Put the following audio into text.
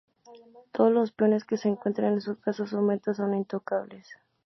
Todos los peones que se encuentren en su casa o su meta son intocables.